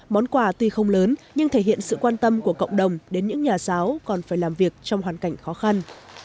món quà tuy không lớn nhưng thể hiện sự quan tâm của cộng đồng đến những nhà giáo còn phải làm việc trong hoàn cảnh khó khăn